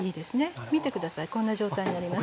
見て下さいこんな状態になります。